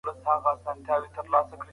ښه فکر تل بري راولي